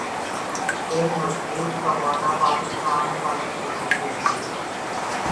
ایک مضبوط و توانا پاکستان قائم کرنے کے لئیے ۔